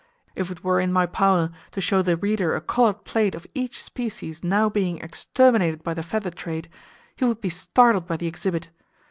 If it were in my power to show the reader a colored plate of each species now being exterminated by the feather trade, he would be startled by the exhibit.